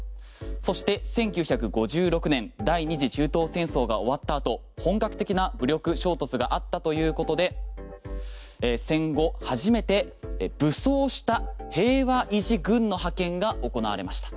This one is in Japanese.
そして１９５６年第２次中東戦争が終わった後本格的な武力衝突があったということで戦後初めて武装した平和維持軍の派遣が行われました。